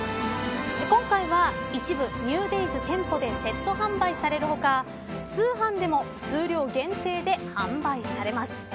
今回は一部ＮｅｗＤａｙｓ店舗でセット販売される他通販でも数量限定で販売されます。